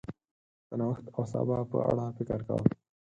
د نوښت او سبا په اړه فکر کول